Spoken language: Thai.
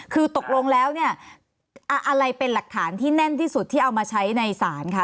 คือตกลงแล้วเนี่ยอะไรเป็นหลักฐานที่แน่นที่สุดที่เอามาใช้ในศาลคะ